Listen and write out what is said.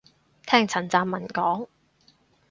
聽陳湛文講